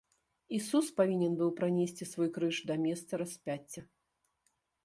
Ісус павінен быў пранесці свой крыж да месца распяцця.